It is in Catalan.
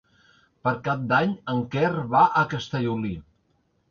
Per Cap d'Any en Quer va a Castellolí.